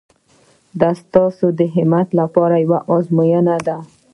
دا ستاسو د همت لپاره یوه ازموینه ده.